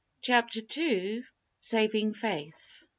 CHAPTER II. SAVING FAITH.